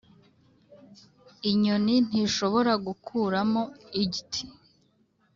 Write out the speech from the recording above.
inyoni ntishobora gukuramo igti